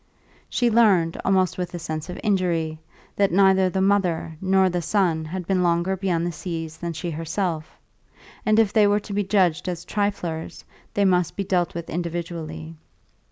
She learned, almost with a sense of injury, that neither the mother nor the son had been longer beyond the seas than she herself; and if they were to be judged as triflers they must be dealt with individually.